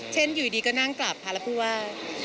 อยู่ดีก็นั่งกลับพาแล้วพูดว่า